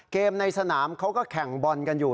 ในสนามเขาก็แข่งบอลกันอยู่